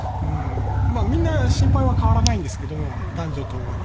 みんな心配は変わらないんですけども男女ともに。